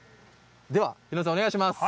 日野さん、お願いします。